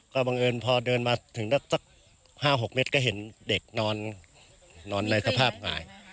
ก็บังเอิญพอเดินมาถึงสัก๕๖เมตรก็เห็นเด็กนอนในสภาพหงาย